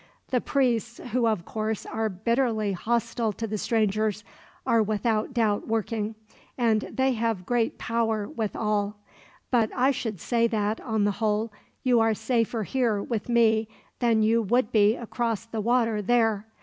The priests, who of course are bitterly hostile to the strangers, are without doubt working, and they have great power with all. But I should say that, on the whole, you are safer here with me than you would be across the water there.